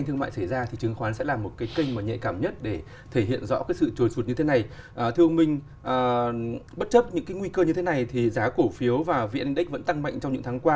thưa ông minh bất chấp những nguy cơ như thế này thì giá cổ phiếu và viện index vẫn tăng mạnh trong những tháng qua